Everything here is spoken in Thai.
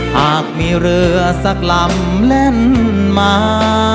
หากมีเรือสักลำแล่นมา